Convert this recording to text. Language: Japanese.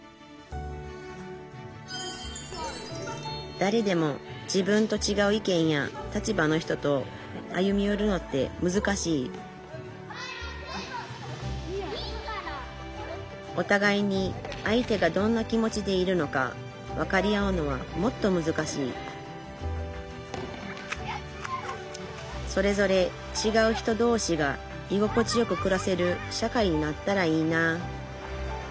だれでも自分とちがう意見や立場の人と歩みよるのってむずかしいおたがいに相手がどんな気持ちでいるのか分かり合うのはもっとむずかしいそれぞれちがう人同士がいごこちよくくらせる社会になったらいいなあ